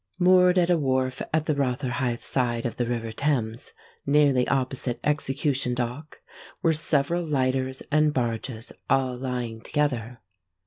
Moored at a wharf at the Rotherhithe side of the river Thames, nearly opposite Execution Dock, were several lighters and barges, all lying together.